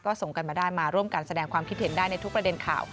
ก็ส่งกันมาได้มาร่วมกันแสดงความคิดเห็นได้ในทุกประเด็นข่าว